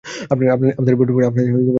আপনাদের পরিকল্পনা বলুন।